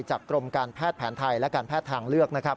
จากกรมการแพทย์แผนไทยและการแพทย์ทางเลือก